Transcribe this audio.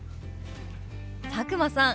佐久間さん